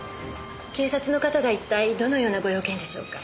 警察の方が一体どのようなご用件でしょうか？